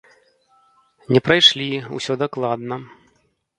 Не прайшлі, усё дакладна.